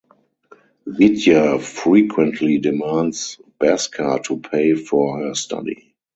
Vidya frequently demands Bhaskar to pay for her study.